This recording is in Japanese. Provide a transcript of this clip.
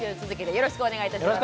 よろしくお願いします！